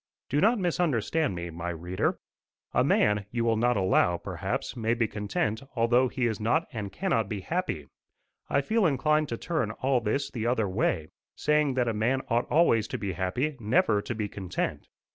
Do not misunderstand me, my reader. A man, you will allow, perhaps, may be content although he is not and cannot be happy: I feel inclined to turn all this the other way, saying that a man ought always to be happy, never to be content.